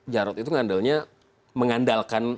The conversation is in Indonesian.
jarrot itu mengandalkan